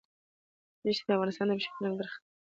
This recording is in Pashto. دښتې د افغانستان د بشري فرهنګ برخه ده.